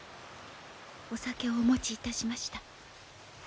お酒をお持ちいたしました。